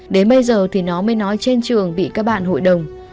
đến bây giờ thì nó mới nói trên trường bị các bạn hội đồng